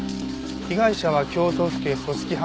被害者は京都府警組織犯罪対策